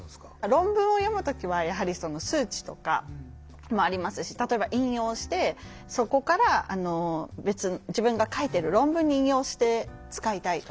論文を読む時はやはり数値とかもありますし例えば引用してそこから別の自分が書いてる論文に引用して使いたいとか。